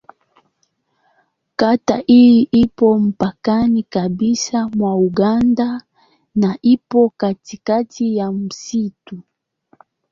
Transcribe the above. Kata hii ipo mpakani kabisa mwa Uganda na ipo katikati ya msitu.